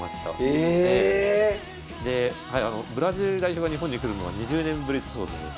でブラジル代表が日本に来るのは２０年ぶりだそうで。